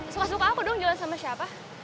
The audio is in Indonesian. suka suka aku doang jalan sama siapa